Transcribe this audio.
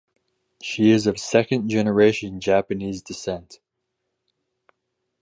She is of second generation Japanese descent.